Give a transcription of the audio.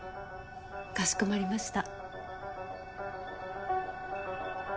かしこまりました。